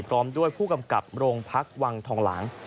พร้อมด้วยผู้กำกับโรงพักวังทองหลาง